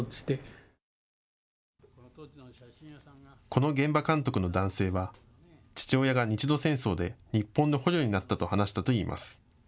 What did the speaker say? この現場監督の男性は父親が日露戦争で日本の捕虜になったと話したといいます。